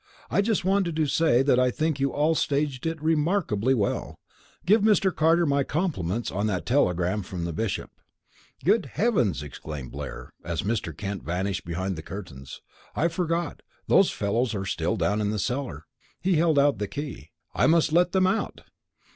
I just wanted to say that I think you all staged it remarkably well. Give Mr. Carter my compliments on that telegram from the Bishop." "Good heavens!" exclaimed Blair, as Mr. Kent vanished behind the curtains. "I forgot. Those fellows are still down in the cellar." He held out the key. "I must let them out."